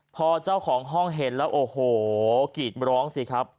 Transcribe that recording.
พอเจ้าของห้องเห็นแล้วโอ้โหกรีดร้องสิครับ